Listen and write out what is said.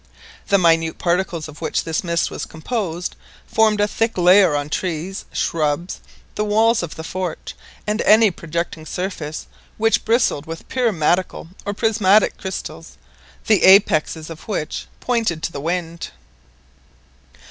The minute particles of which this mist was composed formed a thick layer on trees, shrubs, the walls of the fort, and any projecting surface which bristled with pyramidal or prismatic crystals, the apexes of which pointed to the wind.